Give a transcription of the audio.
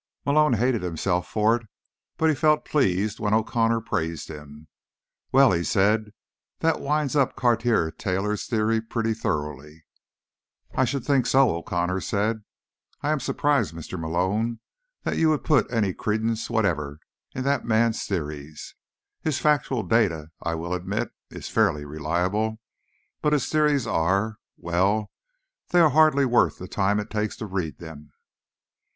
Malone hated himself for it, but he felt pleased when O'Connor praised him. "Well," he said, "that winds up Cartier Taylor's theory pretty thoroughly." "I should think so," O'Connor said. "I am surprised, Mr. Malone, that you would put any credence whatever in that man's theories. His factual data, I will admit, is fairly reliable. But his theories are— well, they are hardly worth the time it takes to read them."